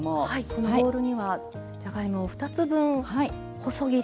このボウルにはじゃがいも２つ分細切りですね。